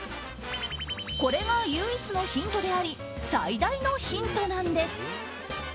これが唯一のヒントであり最大のヒントなんです。